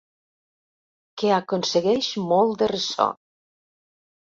Que aconsegueix molt de ressò.